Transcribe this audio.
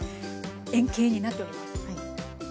円形になっております。